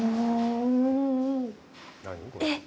えっ？